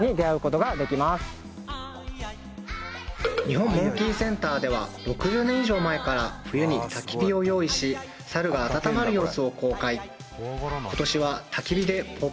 日本モンキーセンターでは６０年以上前から冬にたき火を用意しサルが温まる様子を公開